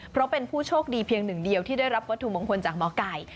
เพราะเป็นผู้โชคดีเพียงหนึ่งเดียวที่ได้รับวัตถุมงคลจากหมอไก่